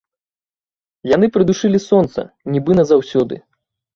Яны прыдушылі сонца, нібы назаўсёды.